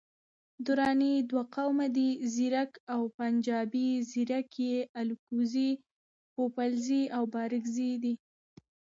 دراني دوه قومه دي، ځیرک او پنجپای. ځیرک یي الکوزي، پوپلزي او بارکزي دی